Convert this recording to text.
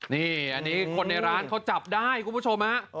นี่อันนี้คนในร้านเขาจับได้คุณผู้ชมฮะ